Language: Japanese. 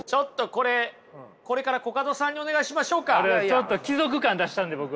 ちょっと貴族感出したんで僕は。